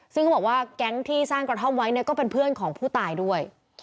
ซึ่งเขาบอกว่าแก๊งที่สร้างกระท่อมไว้เนี่ยก็เป็นเพื่อนของผู้ตายด้วย